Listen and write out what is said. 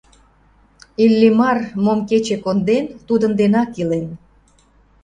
Иллимар, мом кече конден, тудын денак илен.